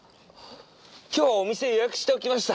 今日お店予約しておきました